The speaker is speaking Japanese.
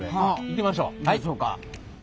行きましょうか。